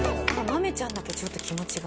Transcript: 豆ちゃんだけちょっと気持ちが。